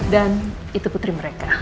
dan itu putri mereka